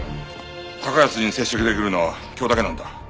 高安に接触できるのは今日だけなんだ。